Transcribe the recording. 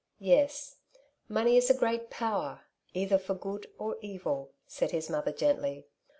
'^ Yes ; money is a great power, either for good or evil, said his mother gently.